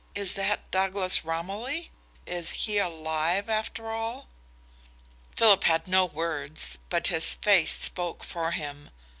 "Is that Douglas Romilly? Is he alive, after all?" Philip had no words, but his face spoke for him.